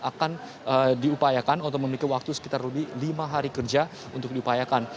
akan diupayakan atau memiliki waktu sekitar lebih lima hari kerja untuk diupayakan